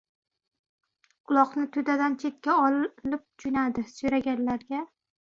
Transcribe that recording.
uloqni to‘dadan chetga olib jo‘nadi. So‘raganlarga: